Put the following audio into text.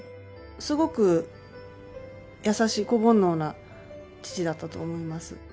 すごく優しい子煩悩な父だったと思います。